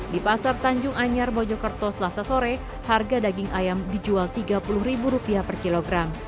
di pasar tanjung anyar mojokerto selasa sore harga daging ayam dijual rp tiga puluh per kilogram